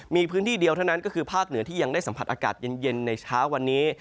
มีพื้นที่เดียวเท่านั้นก็คือภาคเหนือที่ยังได้สัมผัสอากาศเย็นในเช้าวันนี้